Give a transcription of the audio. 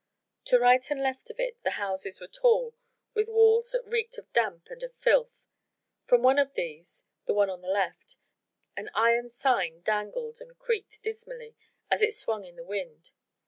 To right and left of it the houses were tall, with walls that reeked of damp and of filth: from one of these the one on the left an iron sign dangled and creaked dismally as it swung in the wind.